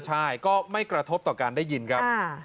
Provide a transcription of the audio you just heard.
ใช่ก็ไม่กระทบต่อการได้ยินครับ